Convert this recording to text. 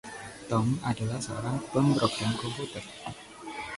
Tom adalah seorang pemrogram komputer.